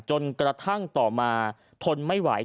จนกระทั่งต่อมาทนไม่ไหว